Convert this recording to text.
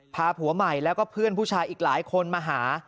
ผัวใหม่แล้วก็เพื่อนผู้ชายอีกหลายคนมาหา